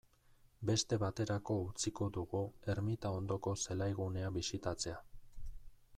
Beste baterako utziko dugu ermita ondoko zelaigunea bisitatzea.